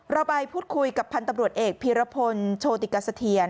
เราไปพูดคุยกับพันธุ์ตำรวจเอกพีรพลโชติกสะเทียน